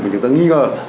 mà chúng ta nghi ngờ